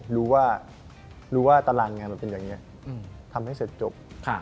รู้ว่ารู้ว่าตารางงานมันเป็นอย่างนี้ทำให้เสร็จจบ